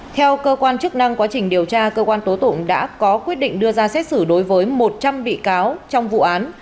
theo cơ quan chức năng quá trình điều tra cơ quan tố tụng đã có quyết định đưa ra xét xử đối với một trăm linh bị cáo trong vụ án